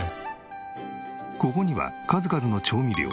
ここには数々の調味料。